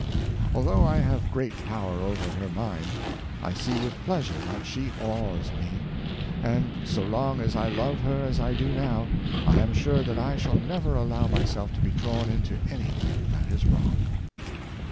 Although I have great power over her mind, I see with pleasure that she awes me; and so long as I love her as I do now, I am sure that I shall never allow myself to be drawn into any thing that is wrong."